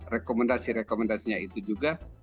rekomendasinya itu juga